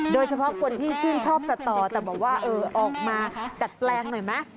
โดยเฉพาะคนที่ชื่นชอบสัตว์ต่อแต่บอกว่าออกมาดัดแปลงหน่อยไหม